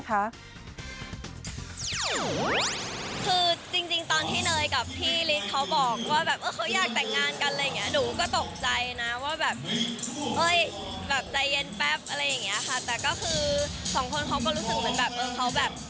แต่ก็คือสองคนเขาก็รู้สึกเหมือนแบบ